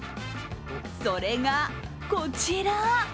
それがこちら。